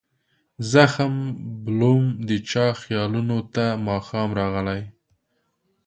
زخم بلوم د چا خیالونو ته ماښام راغلي